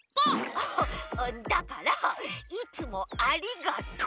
アハッだからいつもありがとう。